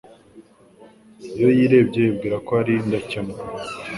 Iyo yirebye yibwira ko ari indakemwa